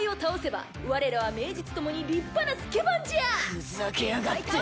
ふざけやがってぇ。